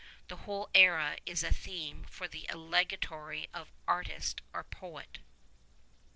The whole era is a theme for the allegory of artist or poet.